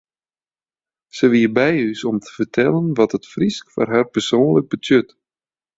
Se wie by ús om te fertellen wat it Frysk foar har persoanlik betsjut.